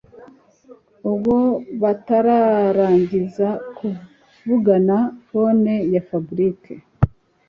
Ubwo batararangiza kuvigana phone ya Fabric